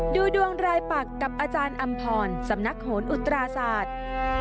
ดูดวงรายปักกับอาจารย์อำพรสำนักโหนอุตราศาสตร์